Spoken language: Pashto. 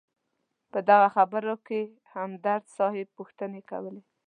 په دغه خبرو کې همدرد صیب پوښتنې کولې.